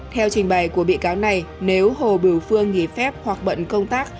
theo trình bày của bị cáo này nếu hồ bửu phương nghỉ phép hoặc bận công tác